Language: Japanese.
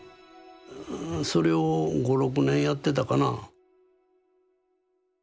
それを５６年やってたかな。